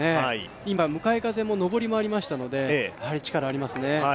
今向かい風も上りもありましたので、やはり力ありますね。